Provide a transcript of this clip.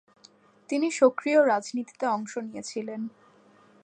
তিনি সক্রিয় রাজনীতিতে অংশ নিয়েছিলেন।